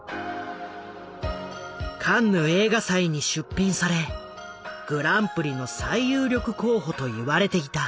カンヌ映画祭に出品されグランプリの最有力候補と言われていた。